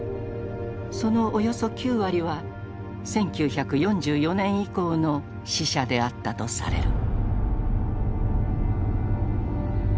そのおよそ９割は１９４４年以降の死者であったとされる。